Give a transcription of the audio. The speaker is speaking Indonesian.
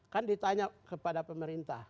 kan ditanya kepada pemerintah